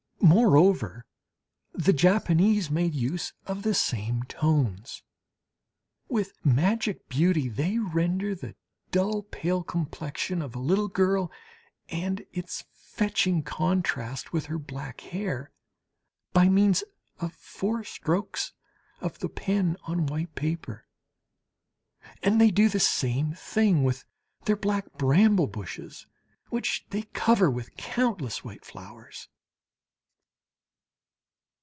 Moreover, the Japanese made use of the same tones; with magic beauty they render the dull pale complexion of a little girl and its fetching contrast with her black hair, by means of four strokes of the pen on white paper; and they do the same thing with their black bramble bushes, which they cover with countless white flowers.